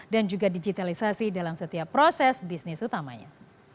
dan juga digitalisasi dalam setiap proses bisnis utamanya